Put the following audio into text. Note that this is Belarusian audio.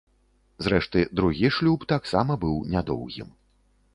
Зрэшты, другі шлюб таксама быў нядоўгім.